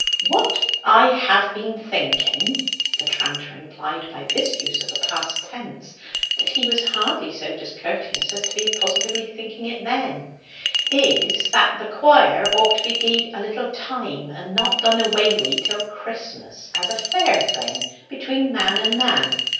"What I have been thinking" the tranter implied by this use of the past tense that he was hardly so discourteous as to be positively thinking it then "is that the quire ought to be gie'd a little time, and not done away wi' till Christmas, as a fair thing between man and man.